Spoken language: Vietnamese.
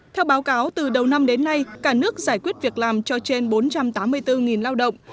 theo báo cáo từ đầu năm đến nay cả nước giải quyết việc làm cho trên bốn trăm tám mươi bốn lao động